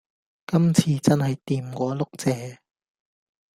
今次真係掂過碌蔗